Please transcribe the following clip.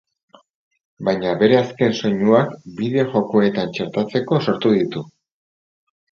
Baina bere azken soinuak bideo jokoetan txertatzeko sortu ditu.